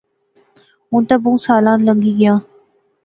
ہن تہ بہوں سالاں لنگی گئیاں